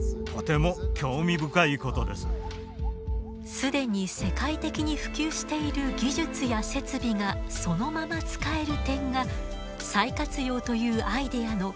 既に世界的に普及している技術や設備がそのまま使える点が再活用というアイデアの最大の利点です。